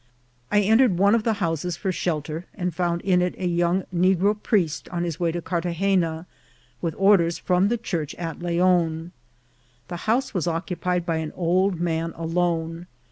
I entered one of the houses for shelter, and found in it a young negro priest on his way to Carthagena, with orders from the Church at Leon. The house was occupied by an old man alone.